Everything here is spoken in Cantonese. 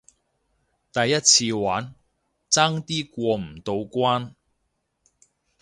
第一次玩，爭啲過唔到關